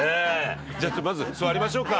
じゃあまず座りましょうか。